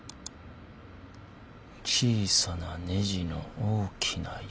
「小さなネジの、大きな夢」